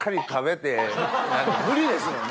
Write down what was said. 無理ですもんね